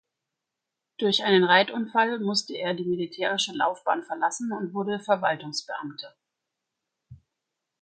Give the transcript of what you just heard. Durch einen Reitunfall musste er die militärischen Laufbahn verlassen und wurde Verwaltungsbeamter.